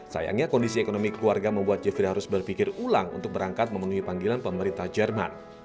sayangnya kondisi ekonomi keluarga membuat jeffrey harus berpikir ulang untuk berangkat memenuhi panggilan pemerintah jerman